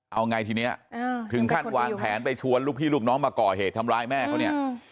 เอาไงทีนี้ถึงขั้นวางแผนไปชวนลูกพี่ลูกน้องมาก่อเหตุทำร้ายแม่เขาเนี่ย